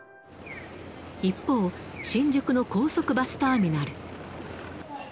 一方、新宿の高速バスターミナル。